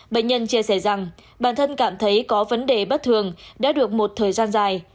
bệnh nhân chia sẻ rằng bản thân cảm thấy có vấn đề bất thường đã được một thời gian dài